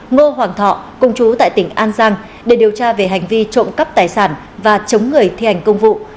ngô hoàng thọ công chú tại tỉnh an giang để điều tra về hành vi trộm cắp tài sản và chống người thi hành công vụ